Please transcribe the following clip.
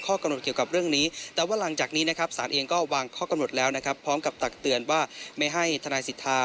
ข้อกำหนดเกี่ยวกับเรื่องนี้แต่ว่าหลังจากนี้ไม่ให้ธนาศิษฐาร่วมถึงทุก